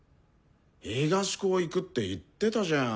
東高行くって言ってたじゃん。